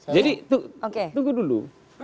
jadi tunggu dulu